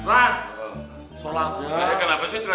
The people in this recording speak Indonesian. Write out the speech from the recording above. aku akan menjaga raya sebaik baiknya